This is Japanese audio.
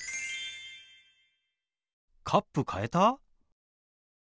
カップ変えた？